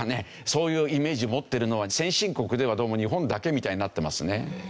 そういうイメージ持ってるのは先進国ではどうも日本だけみたいになってますね。